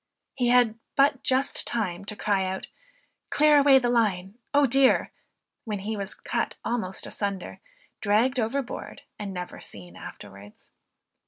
He had but just time to cry out, "clear away the line," "O dear!" when he was almost cut assunder, dragged overboard and never seen afterwards.